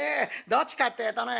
どっちかってえとね